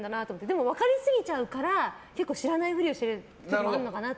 でも分かり過ぎちゃうから知らないふりをしてるところもあるのかなと。